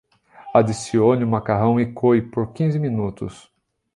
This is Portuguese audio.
Adicione o macarrão e coe por quinze minutos.